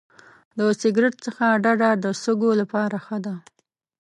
د سګرټ څخه ډډه د سږو لپاره ښه ده.